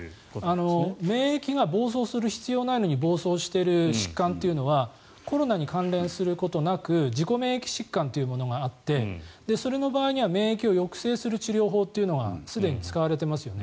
免疫が暴走する必要がないのに暴走している疾患というのはコロナに関連することなく自己免疫疾患というものがあってそれの場合には免疫を抑制する治療法がすでに使われていますよね。